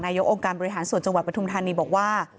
นายองค์องค์การบริหารส่วนจังหวัดประธุมธรรมนี้บอกว่า